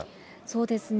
そうですね。